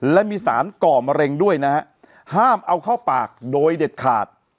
และมีสารก่อมะเร็งด้วยนะฮะห้ามเอาเข้าปากโดยเด็ดขาด